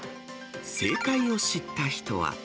正解を知った人は。